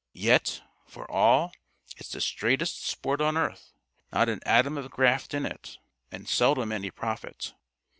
Yet, for all, it's the straightest sport on earth. Not an atom of graft in it, and seldom any profit....